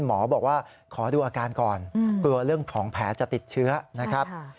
หมอบอกว่าขอดูอาการก่อนกลัวเรื่องของแผลจะติดเชื้อนะครับ